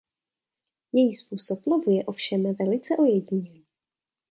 Její způsob lovu je ovšem velice ojedinělý.